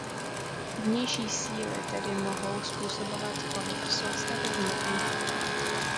Vnější síly tedy mohou způsobovat pohyb v soustavě hmotných bodů.